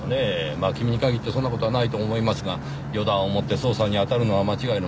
まあ君に限ってそんな事はないと思いますが予断をもって捜査に当たるのは間違いの元ですよ。